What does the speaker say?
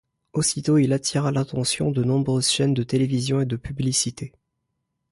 Aussitôt il attira l'attention de nombreuses chaines de télévision et de publicités.